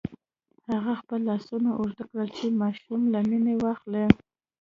هغه خپل لاسونه اوږده کړل چې ماشوم له مينې واخلي.